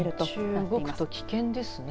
日中動くと危険ですね。